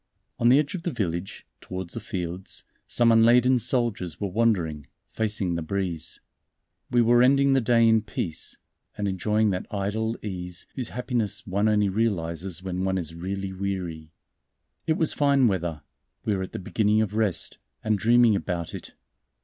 On the edge of the village, towards the fields, some unladen soldiers were wandering, facing the breeze. We were ending the day in peace, and enjoying that idle ease whose happiness one only realizes when one is really weary. It was fine weather, we were at the beginning of rest, and dreaming about it.